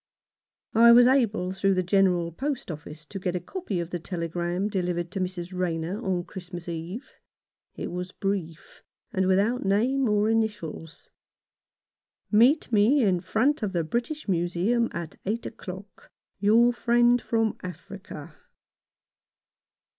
I was able through the General Post Office to get a copy of the telegram delivered to Mrs. Rayner on Christmas Eve. It was brief, and without name or initials :— "Meet me in front of the British Museum at eight o'clock. — Your friend from Africa."